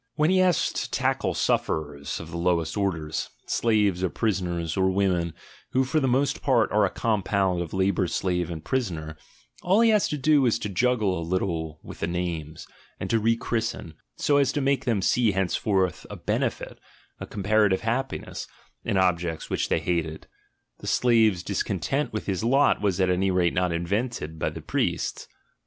When he has to tackle sufferers of the lower orders, slaves, or prisoners (or women, who for the most part are a compound of labour slave and prisoner), all he has to do is to juggle a little with the names, and to rechristen, so as to make them see henceforth a benefit, a compara tive happiness, in objects which they hated — the slave's discontent with his lot was at any rate not invented by the priests.